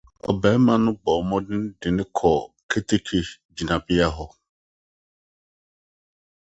Ɔbarima no bɔɔ mmɔden de me kɔɔ keteke gyinabea hɔ.